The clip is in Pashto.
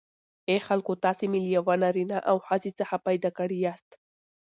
ای خلکو تاسی می له یوه نارینه او ښځی څخه پیداکړی یاست